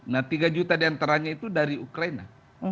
nah tiga juta di antaranya itu dari ukraina